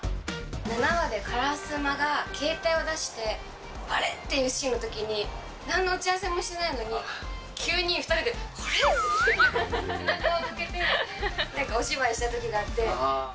７話で烏丸が携帯を出して、あれ？っていうシーンのときに、なんの打ち合わせもしていないのに、急に２人であれ？って背中を向けてなんかお芝居したときがあって。